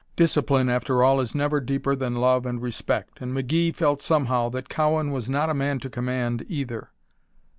Discipline, after all, is never deeper than love and respect, and McGee felt somehow that Cowan was not a man to command either.